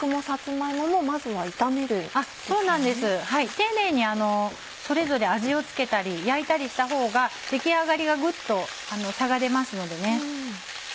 丁寧にそれぞれ味を付けたり焼いたりしたほうが出来上がりがグッと差が出ますのでね。